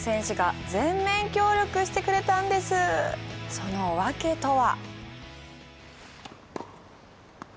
その訳とは？